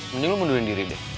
mending lo mundurin diri deh